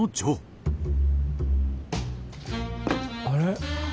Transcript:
あれ？